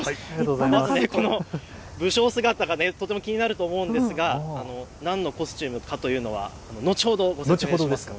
武将姿がとても気になると思いますが何のコスチュームかというのは後ほどご説明します。